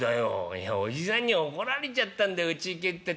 「いやおじさんに怒られちゃったんだようちに帰ってたら。